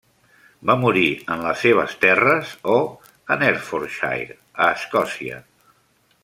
Va morir en les seves terres o en Hertfordshire, a Escòcia.